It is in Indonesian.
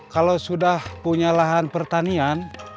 kalau sudah punya lahan pertanian